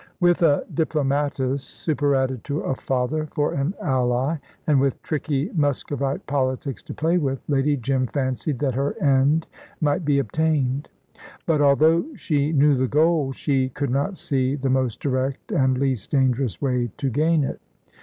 With a diplomatist, superadded to a father, for an ally, and with tricky Muscovite politics to play with, Lady Jim fancied that her end might be obtained. But, although she knew the goal, she could not see the most direct and least dangerous way to gain it.